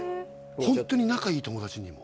ホントに仲いい友達にも？